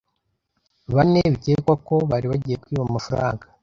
Bane bikekwa ko bari bagiye kwiba amafaranga